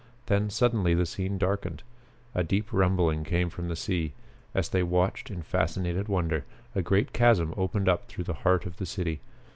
Then suddenly the scene darkened; a deep rumbling came from the sea. As they watched in fascinated wonder, a great chasm opened up through the heart of the city.